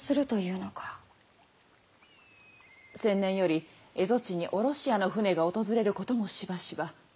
先年より蝦夷地にヲロシアの船が訪れることもしばしば。